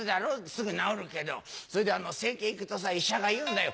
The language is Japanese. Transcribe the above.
すぐ治るけどそれで整形行くとさ医者が言うんだよ。